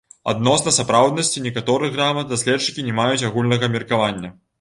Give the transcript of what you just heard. Адносна сапраўднасці некаторых грамат даследчыкі не маюць агульнага меркавання.